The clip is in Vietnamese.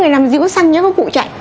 người làm gì có săn nhớ có cụ chạy